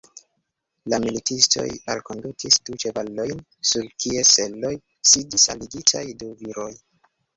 La militistoj alkondukis du ĉevalojn, sur kies seloj sidis alligitaj du viroj.